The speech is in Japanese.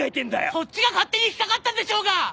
そっちが勝手に引っ掛かったんでしょうが！